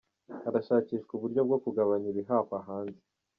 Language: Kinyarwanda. Harashakishwa uburyo bwo kugabanya ibihahwa hanze